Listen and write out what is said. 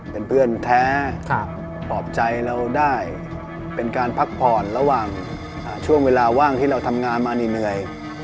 เป็นเพื่อนแท้ปลอบใจเราได้เป็นการพักผ่อนระหว่างช่วงเวลาว่างที่เราทำงานมาเหนื่อย